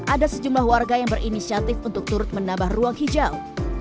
ada sejumlah warga yang berinisiatif untuk turut menambah ruang hijau